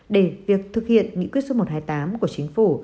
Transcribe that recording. để việc thực hiện những quyết xúc một trăm hai mươi tám của chính phủ